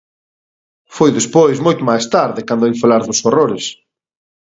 Foi despois, moito máis tarde, cando oín falar dos horrores;